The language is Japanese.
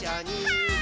はい。